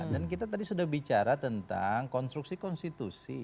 dan kita tadi sudah bicara tentang konstruksi konstitusi